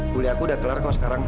kuliah aku udah kelar kok sekarang